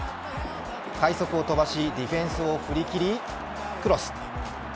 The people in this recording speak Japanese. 快足を飛ばしディフェンスを振り切りクロス。